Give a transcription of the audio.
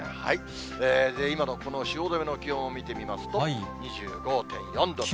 今のこの汐留の気温を見てみますと、２５．４度という。